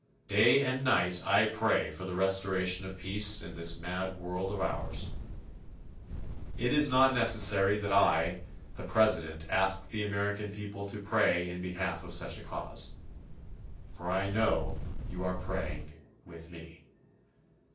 Day and night I pray for the restoration of peace in this mad world of ours. It is not necessary that I, the President, ask the American people to pray in behalf of such a cause for I know you are praying with me.